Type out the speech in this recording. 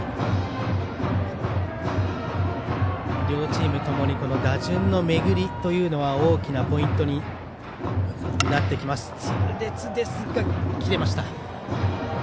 両チームともに打順の巡りというのは大きなポイントになってきます。